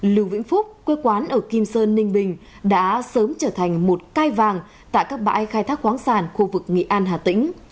lưu vĩnh phúc quê quán ở kim sơn ninh bình đã sớm trở thành một cai vàng tại các bãi khai thác khoáng sản khu vực nghị an hà tĩnh